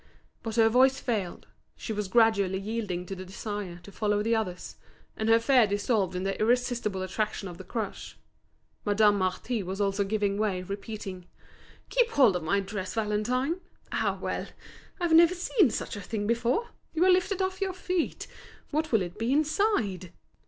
But her voice failed, she was gradually yielding to the desire to follow the others; and her fear dissolved in the irresistible attraction of the crush. Madame Marty was also giving way, repeating: "Keep hold of my dress, Valentine. Ah, well! I've never seen such a thing before. You are lifted off your feet. What will it be inside?"